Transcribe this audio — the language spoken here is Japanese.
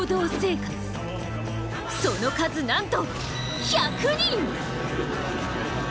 その数なんと１００人！